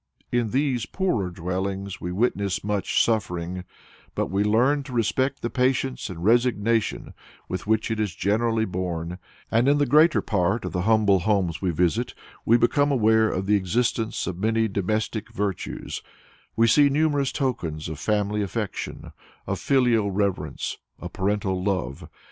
In these poorer dwellings we witness much suffering; but we learn to respect the patience and resignation with which it is generally borne, and in the greater part of the humble homes we visit we become aware of the existence of many domestic virtues, we see numerous tokens of family affection, of filial reverence, of parental love.